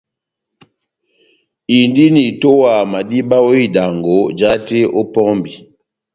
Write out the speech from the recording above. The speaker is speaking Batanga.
Indini itowaha madíba ó idangɔ, jahate ó pɔmbi.